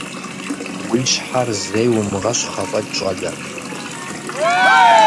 Уи щхьэр зэи умыгъэщхъ афӀэкӀ, щӀалэ!